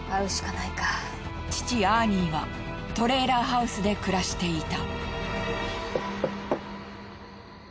父アーニーはトレーラーハウスで暮らしていた。